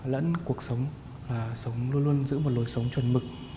lẫn cuộc sống và sống luôn luôn giữ một lối sống chuẩn mực